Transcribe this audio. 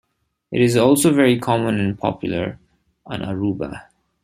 It is also very common and popular on Aruba.